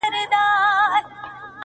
په وښو او په اوربشو یې زړه سوړ وو!!